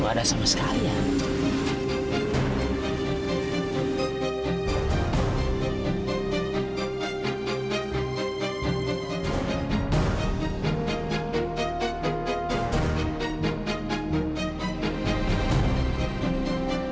ada apa apa mau gue